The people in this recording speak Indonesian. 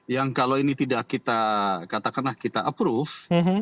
yang kalau ini tidak kita katakanlah kita approve